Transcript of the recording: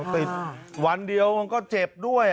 ติดวันเดียวมันก็เจ็บด้วย